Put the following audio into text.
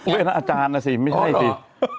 เหรอเจ๊นอาจารย์น่ะไม่ใช่หิต